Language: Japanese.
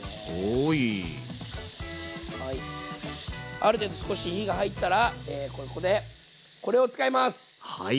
ある程度少し火が入ったらここでこれを使います！